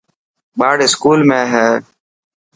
ٻاڙ اسڪول ۾ هي.